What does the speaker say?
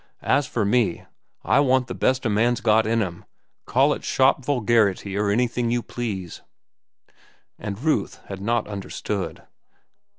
As for me, I want the best a man's got in him, call it shop vulgarity or anything you please." And Ruth had not understood.